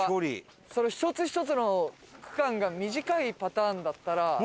１つ１つの区間が短いパターンだったら。